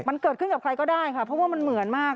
มันเกิดขึ้นกับใครก็ได้ค่ะเพราะว่ามันเหมือนมาก